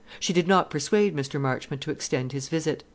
She did not persuade Mr. Marchmont to extend his visit.